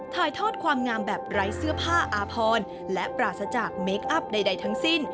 ถ่ายทอดความงามแบบไร้เสื้อผ้าอาพรและปราศจากเมคอัพใดทั้งสิ้น